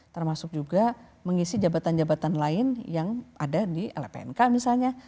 termasuk juga mengisi jabatan jabatan lain yang ada di lpnk misalnya